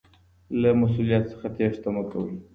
له مسؤلیت څخه تیښته مه کوئ.